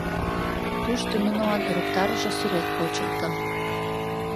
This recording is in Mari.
Тушто нунылан ӧрыктарыше сӱрет почылто.